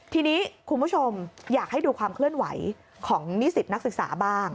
ทีนี้คุณผู้ชมอยากให้ดูความเคลื่อนไหวของนิสิตนักศึกษาบ้าง